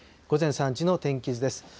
午前３時の天気図です。